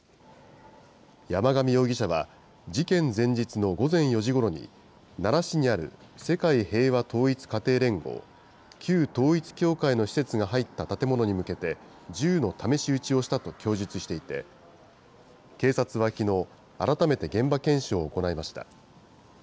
山上容疑者は、事件前日の午前４時ごろに、奈良市にある世界平和統一家庭連合、旧統一教会の施設が入った建物に向けて、銃の試し撃ちをしたと供述していて、警察はきのう、改めて現場検証を行いました。